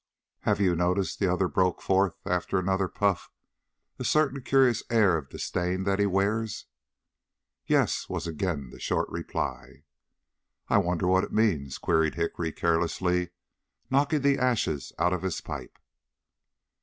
"Have you noticed," the other broke forth, after another puff, "a certain curious air of disdain that he wears?" "Yes," was again the short reply. "I wonder what it means?" queried Hickory carelessly, knocking the ashes out of his pipe.